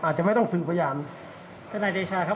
อาจจะไม่ต้องสื่อพยานทนายเดชาครับ